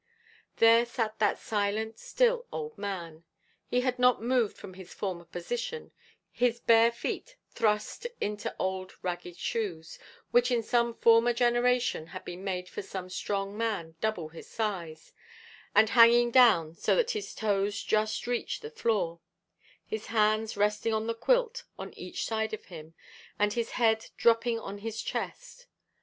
There sat that silent, still old man. He had not moved from his former position, his bare feet thrust into old ragged shoes, which in some former generation had been made for some strong man double his size, and hanging down so that his toes just reached the floor his hands resting on the quilt on each side of him, and his head dropping on his chest.